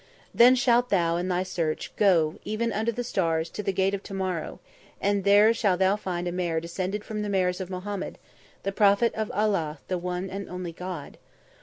"Then shalt thou, in thy search, go, even under the stars, to the Gate of Tomorrow, and there shall thou find a mare descended from the mares of Mohammed, the Prophet of Allah the one and only God.